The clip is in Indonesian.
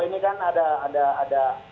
ini kan ada